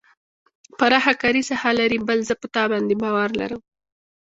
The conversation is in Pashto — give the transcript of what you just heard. پراخه کاري ساحه لري بل زه په تا باندې باور لرم.